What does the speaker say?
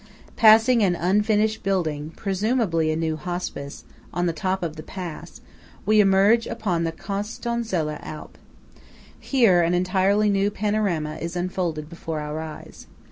Passing an unfinished building (presumably a new Hospice) on the top of the pass, we emerge upon the Costonzella Alp. Here an entirely new panorama is unfolded before our eyes.